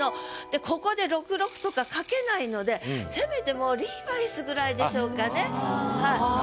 ここで「６６」とか書けないのでせめてもう「リーバイス」ぐらいでしょうかねはい。